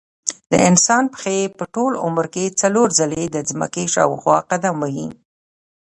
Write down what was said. د انسان پښې په ټول عمر کې څلور ځلې د ځمکې شاوخوا قدم وهي.